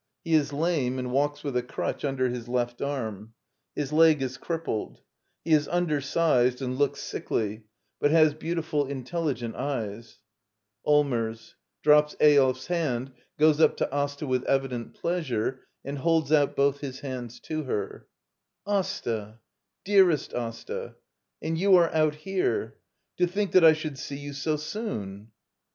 He is lame and walks with a crutch under his left arm. 6 Digitized by VjOOQIC ActL ^ LITTLE EYOLF His leg is ^'pplp^ He is undersized a nd looks., sickly, but has beautiful, intelligent eyes.] Sllmers. [Drops Eyolf's hand, goes up to Asta with evident pleasure, and holds out both his hands to her.] Asta! Dearest Asta! And you are out here! To think that I should see you so soon!